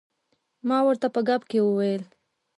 ما ورته په ګپ کې وویل.